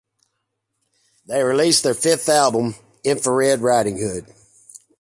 They released their fifth album "Infrared Riding Hood".